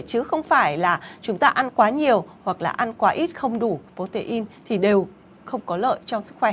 chứ không phải là chúng ta ăn quá nhiều hoặc là ăn quá ít không đủ protein thì đều không có lợi cho sức khỏe